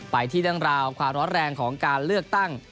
ไปที่เรื่องราวความร้อนแรงของการเลือกตั้ง